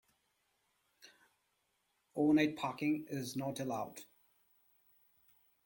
Overnight parking is not allowed.